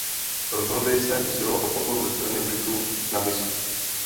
Rozhodli se usilovat o podporu ze strany Britů na mysu.